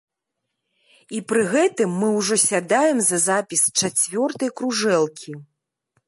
І пры гэтым мы ўжо сядаем за запіс чацвёртай кружэлкі.